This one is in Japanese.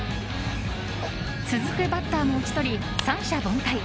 続くバッターも打ち取り三者凡退。